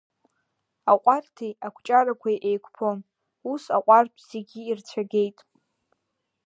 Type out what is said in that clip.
Аҟәарҭи ақәҷарақәеи еиқәԥон, ус, аҟәарҭ зегьы ирцәагеит.